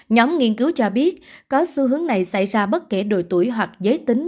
nhóm nghiên cứu cho biết có xu hướng này xảy ra bất kể độ tuổi hoặc giới tính